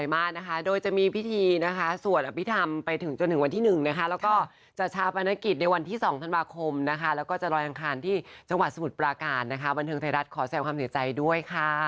ไม่เคลื่อนหลับให้สบาย